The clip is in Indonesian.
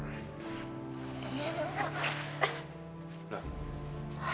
udah cepet beliin obat untuk mawar